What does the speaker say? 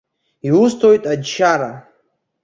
Иусҭоит аџьшьара.